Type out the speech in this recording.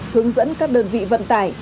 hướng dẫn các đơn vị vận tải